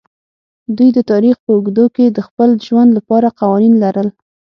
دوی د تاریخ په اوږدو کې د خپل ژوند لپاره قوانین لرل.